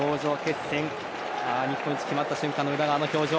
日本一が決まった瞬間の宇田川の表情